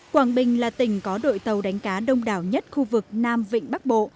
quảng bình là tỉnh có đội tàu đánh cá đông đảo nhất khu vực nam vịnh bắc bộ